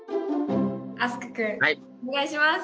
飛鳥君お願いします。